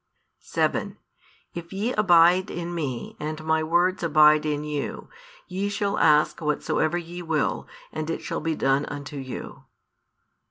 7 If ye abide in Me, and My words abide in you, ye shall ash whatsoever ye will, and it shall be done unto you.